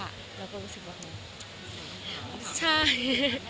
เราก็รู้สึกว่าใช่